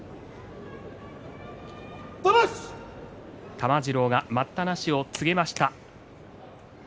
玉治郎が待ったなしを告げました。